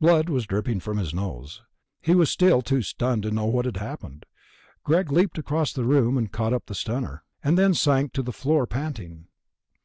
Blood was dripping from his nose. He was still too stunned to know what had happened. Greg leaped across the room, caught up the stunner, and then sank to the floor panting.